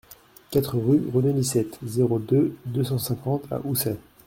quatre rue René Licette, zéro deux, deux cent cinquante à Housset